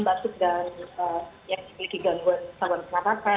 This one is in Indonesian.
dan juga untuk yang memiliki gangguan penyelamatkan